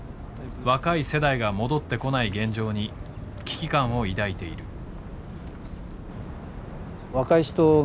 若い世代が戻ってこない現状に危機感を抱いている。